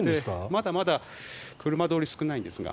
まだまだ車通り少ないんですが。